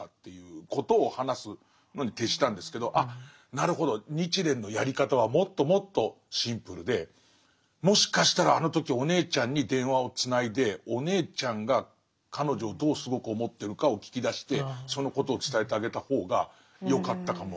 なるほど日蓮のやり方はもっともっとシンプルでもしかしたらあの時お姉ちゃんに電話をつないでお姉ちゃんが彼女をどうすごく思ってるかを聞き出してそのことを伝えてあげた方がよかったかもしれない。